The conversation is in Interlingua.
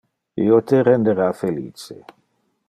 Io te rendera felice.